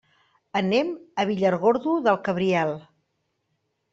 Anem a Villargordo del Cabriel.